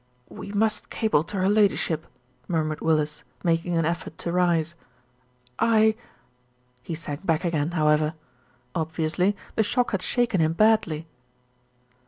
"We must cable to her Ladyship," murmured Willis, making an effort to rise, "I " he sank back again, however. Obviously the shock had shaken him badly.